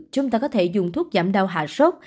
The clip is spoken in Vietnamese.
chúng ta có thể dùng thuốc giảm đau hạ sốt